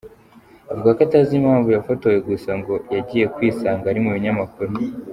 Avuga ko atazi impamvu yafotowe gusa ngo yagiye kwisanga ari mu binyamakuru.